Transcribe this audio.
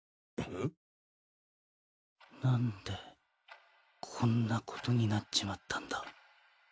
ホロホロ：なんでこんなことになっちまったんだ。